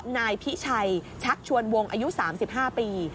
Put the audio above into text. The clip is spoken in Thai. นายพิชัยชักชวนวงอายุ๓๕ปี